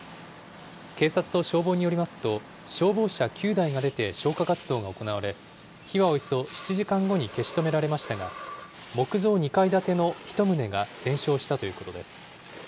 警察と消防によりますと、消防車９台が出て消火活動が行われ、火はおよそ７時間後に消し止められましたが、木造２階建ての１棟が全焼したということです。